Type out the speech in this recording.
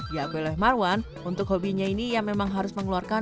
ya gue leleh marwan untuk hobinya ini ya memang harus mengeluarkan kotoran